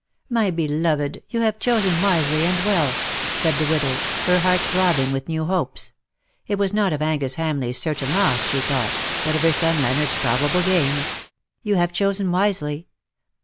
" My belovedj you have chosen wisely and well/^ said the widow, her heart throbbing with new hopes — it was not of Angus HamleigFs certain loss she thought, but of her son Leonard's probable gain — ''you have chosen wisely.